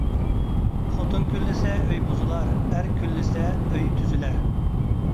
خوتۇن كۈنلىسە ئۆي بۇزۇلار، ئەر كۈنلىسە ئۆي تۈزۈلەر